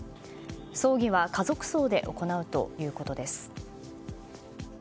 葬儀は家族葬で行うということです。